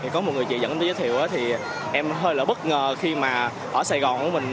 có một người chị dẫn em tới giới thiệu thì em hơi là bất ngờ khi mà ở saigon của mình